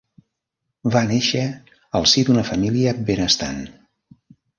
Va néixer al si d'una família benestant.